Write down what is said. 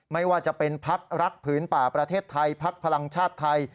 ไม่ว่าจะเป็นพักรักผืนป่าประเทศไทยพักพลังชาติไทย